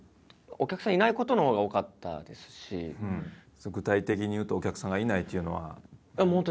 それ具体的に言うとお客さんがいないっていうのは？